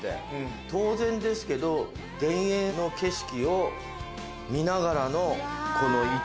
当然ですけど田園の景色を見ながらのこの位置だもんね。